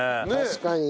確かに。